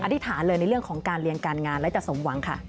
ธิษฐานเลยในเรื่องของการเรียนการงานและจะสมหวังค่ะ